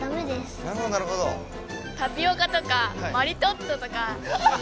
タピオカとかマリトッツォとか。